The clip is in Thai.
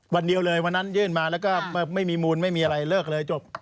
วันเดียวเลยวันนั้นยื่นมาแล้วก็ไม่มีมูลไม่มีอะไรเลิกเลยจบ